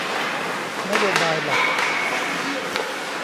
นโยบายหลัก